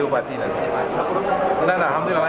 trained pasar sejak gelis tahun dua ribu empat